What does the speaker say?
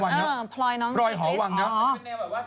พลอยน้องพริกฤษอ๋อพลอยหอวังหรือพลอยหอวังเนี่ยเป็นแนวแบบว่า